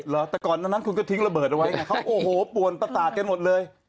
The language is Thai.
เหรอแต่ก่อนนั้นคุณก็ทิ้งระเบิดเอาไว้ไงเขาโอ้โหป่วนประสาทกันหมดเลย